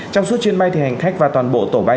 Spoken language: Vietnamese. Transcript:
trong suốt chuyến bay hành khách và toàn bộ tổ bay